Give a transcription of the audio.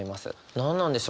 何なんでしょうね？